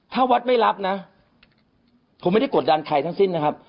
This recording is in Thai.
ถ้าวัดไม่รับนะผมไม่ได้กดดันใครทั้งสิ้นนะครับ